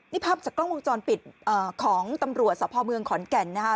นี่ภาพจากกล้องวงจรปิดของตำรวจสพเมืองขอนแก่นนะคะ